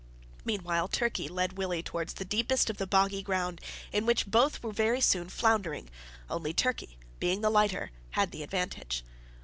Meantime Turkey led Willie towards the deepest of the boggy ground, in which both were very soon floundering, only Turkey, being the lighter, had the advantage.